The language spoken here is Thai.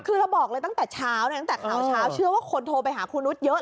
คือเราบอกเลยตั้งแต่เช้าตั้งแต่ข่าวเช้าเชื่อว่าคนโทรไปหาครูนุษย์เยอะ